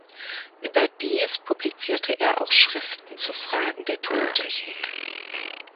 Überdies publizierte er auch Schriften zu Fragen der Tontechnik.